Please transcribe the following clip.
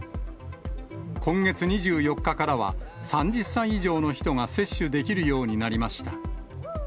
今月２４日からは、３０歳以上の人が接種できるようになりました。